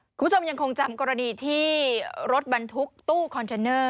คุณผู้ชมยังคงจำกรณีที่รถบรรทุกตู้คอนเทนเนอร์